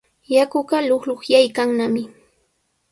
Yakuqa luqluqyaykannami.